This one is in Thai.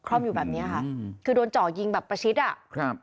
่อมอยู่แบบเนี้ยค่ะอืมคือโดนเจาะยิงแบบประชิดอ่ะครับ